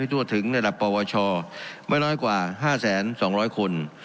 ทั่วถึงระดับปวชไม่น้อยกว่า๕๒๐๐คน